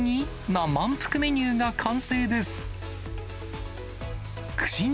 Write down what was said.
な満腹メニューが完成です。